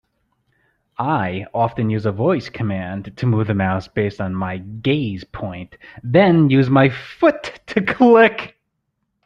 I often use a voice command to move the mouse based on my gaze point, then use my foot to click.